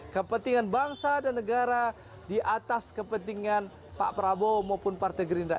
kepentingan bangsa dan negara di atas kepentingan pak prabowo maupun partai gerindra